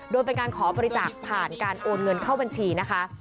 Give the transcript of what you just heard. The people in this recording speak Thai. โดยเป็นการขอบริจาคผ่านการโอนเงินเข้าบัญชีนะคะ